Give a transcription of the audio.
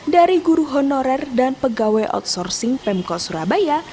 dari guru honorer dan pegawai outsourcing pemko surabaya